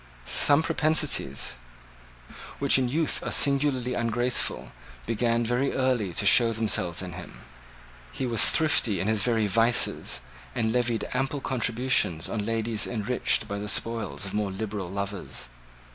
Some propensities, which in youth are singularly ungraceful, began very early to show themselves in him. He was thrifty in his very vices, and levied ample contributions on ladies enriched by the spoils of more liberal lovers.